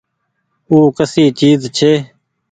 او ڪسي چئيز ڇي۔